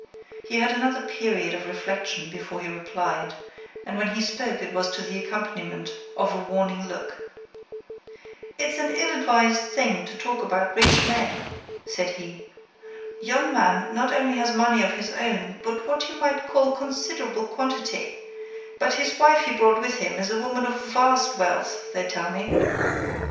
He had another period of reflection before he replied, and when he spoke it was to the accompaniment of a warning look. "It's an ill advised thing to talk about rich men," said he. "Yon man not only has money of his own, in what you might call considerable quantity, but his wife he brought with him is a woman of vast wealth, they tell me.